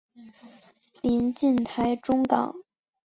临近台中港。